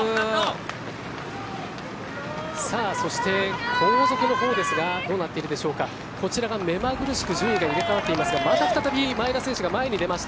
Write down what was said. そして、後続のほうですがどうなっているでしょうかこちらが目まぐるしく順位が入れ替わっていますがまた再び前田選手が前に出ました。